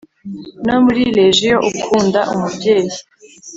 no muri legio ukunda umubyeyi